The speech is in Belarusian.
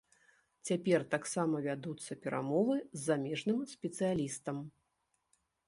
Цяпер таксама вядуцца перамовы з замежным спецыялістам.